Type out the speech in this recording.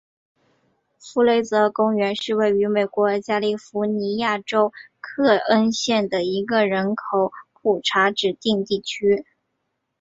弗雷泽公园是位于美国加利福尼亚州克恩县的一个人口普查指定地区。